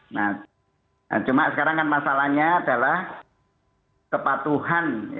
nah cuma sekarang kan masalahnya adalah kepatuhan